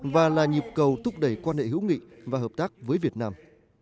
và là nhịp cầu thúc đẩy quan hệ hữu nghị và hợp tác với việt nam